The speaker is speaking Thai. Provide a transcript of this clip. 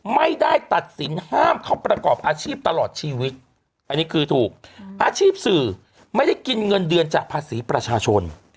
ไม่ได้ตัดสินห้ามเขาประกอบอาชีพตลอดชีวิตอันนี้คือถูกอาชีพสื่อไม่ได้กินเงินเดือนจากภาษีประชาชน